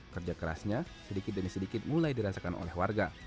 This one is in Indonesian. kerja kerasnya sedikit demi sedikit mulai dirasakan oleh warga